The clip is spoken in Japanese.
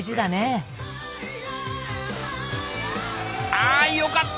あよかった！